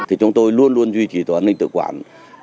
thì chúng tôi luôn luôn duy trì tổ an ninh tự quản